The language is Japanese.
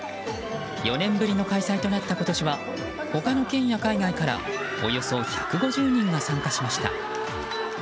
４年ぶりの開催となった今年は他の県や海外からおよそ１５０人が参加しました。